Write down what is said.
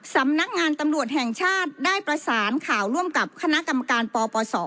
สำนักงานตำรวจแห่งชาติได้ประสานข่าวร่วมกับคณะกรรมการปปศ